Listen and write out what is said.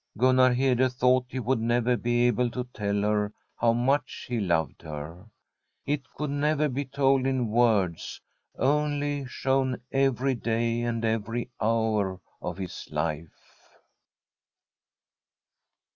Gunnar Hede thought he would never be able to tell her how much he loved her. It could never be told in words, only shown every day and every hour of his life.